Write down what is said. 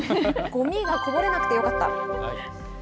ごみがこぼれなくてよかった。